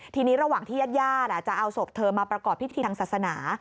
ทีนี้ระหว่างที่ญาติญาติจะเอาศพเธอมาประกอบพิธีทางศาสนา